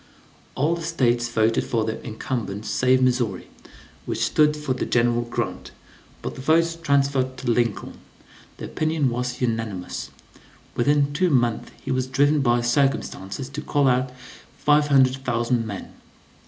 All the States voted for the incumbent save Missouri, which stood for General Grant, but the votes transferred to Lincoln, the opinion was unanimous. Within two months he was driven by circumstances to call out five hundred thousand men.